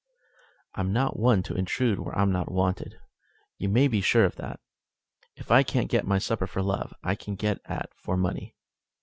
"I'm not one to intrude where I'm not wanted. You may be sure of that. If I can't get my supper for love, I can get at for money.